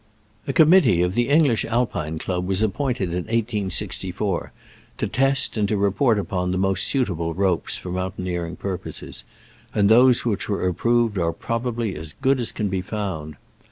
A committee of the English Alpine Club was appointed in 1864 to test, and to report upon, the most suitable ropes for mountaineering purposes, and those which were approved are probably as good as can be found.